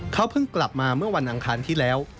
เขาเพิ่งกลับมาเมื่อวันอังคารที่แล้ว